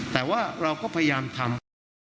แต่ว่าเราก็พยายามทำ